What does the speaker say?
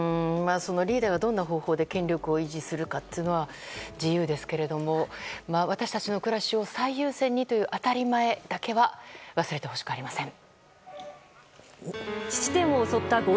リーダーがどんな方法で権力を維持するかというのは自由ですけど私たちの暮らしを最優先にという当たり前だけは忘れてほしくありません。